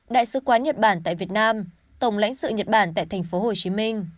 đại sứ quán nhật bản tại việt nam tổng lãnh sự nhật bản tại tp hồ chí minh